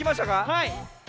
はい！